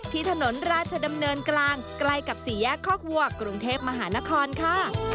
ถนนราชดำเนินกลางใกล้กับสี่แยกคอกวัวกรุงเทพมหานครค่ะ